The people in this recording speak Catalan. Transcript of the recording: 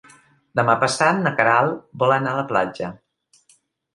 Demà passat na Queralt vol anar a la platja.